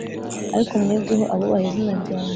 Ariko mwebweho abubaha izina ryanjye